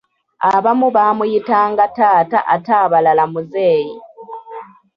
Abamu baamuyitanga taata ate abalala muzeeyi.